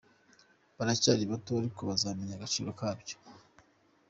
Baracyari bato ariko bazamenya agaciro kabyo !!!».